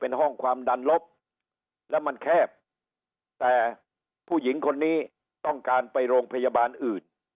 เป็นห้องความดันลบแล้วมันแคบแต่ผู้หญิงคนนี้ต้องการไปโรงพยาบาลอื่น